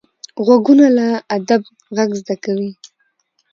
غوږونه له ادب غږ زده کوي